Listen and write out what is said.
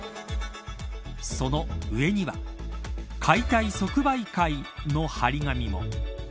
その上には解体即売会、の張り紙も。